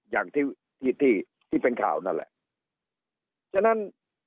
อย่างที่ที่ที่เป็นข่าวนั่นแหละฉะนั้น